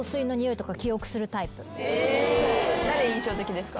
誰印象的ですか？